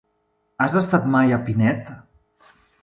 Has estat mai a Pinet?